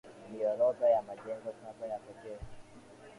ni orodha ya majengo saba ya pekee